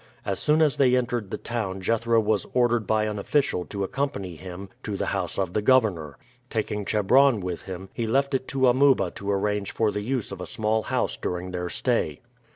As soon as they entered the town Jethro was ordered by an official to accompany him to the house of the governor. Taking Chebron with him, he left it to Amuba to arrange for the use of a small house during their stay.